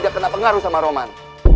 dia kena pengaruh sama roman